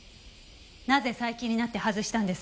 なぜ最近になって外したんです？